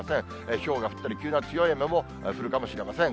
ひょうが降ったり、急な強い雨も降るかもしれません。